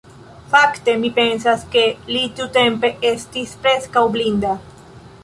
Fakte, mi pensas ke li tiutempe estis preskaŭ blinda.